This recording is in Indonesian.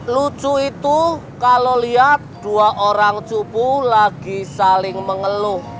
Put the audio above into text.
lucu itu kalau lihat dua orang cupu lagi saling mengeluh